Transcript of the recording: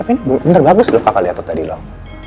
tapi ini bener bagus lho kakak liat tadi loh